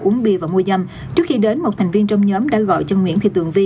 uống bia và mua dâm trước khi đến một thành viên trong nhóm đã gọi cho nguyễn thị tường vi